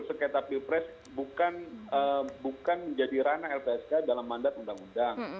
sengketa pilpres bukan menjadi ranah lpsk dalam mandat undang undang